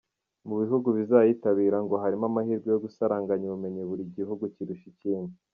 Mu bihugu bizayitabira, ngo harimo amahirwe yo gusaranganya ubumenyi buri gihugu cyirusha ibindi.